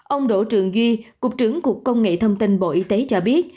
ông đỗ trường duy cục trưởng cục công nghệ thông tin bộ y tế cho biết